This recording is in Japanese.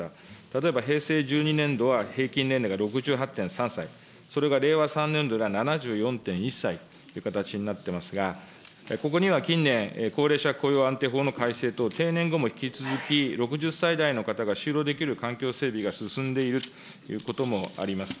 例えば平成１２年度は平均年齢が６８．３歳、それが令和３年度では７４．１歳という形になってますが、ここには近年、高齢者雇用安定法の改正等、定年後も引き続き、６０歳代の方が就労できる環境整備が進んでいるということもあります。